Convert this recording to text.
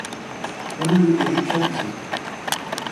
On ne le verrait qu’à l’user.